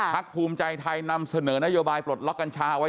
ภูมิใจไทยนำเสนอนโยบายปลดล็อกกัญชาไว้